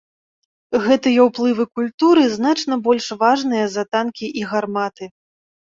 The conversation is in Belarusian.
Гэтыя ўплывы культуры значна больш важныя за танкі і гарматы.